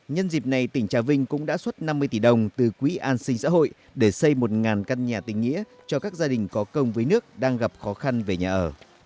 nhân dịp này tỉnh trà vinh cũng đã xuất năm mươi tỷ đồng từ quỹ an sinh xã hội để xây một căn nhà tình nghĩa cho các gia đình có công với nước đang gặp khó khăn về nhà ở